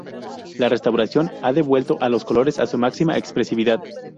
La restauración ha devuelto a los colores su máxima expresividad.